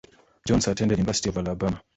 Jones attended University of Alabama.